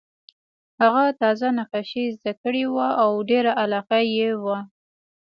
هغه تازه نقاشي زده کړې وه او ډېره علاقه یې وه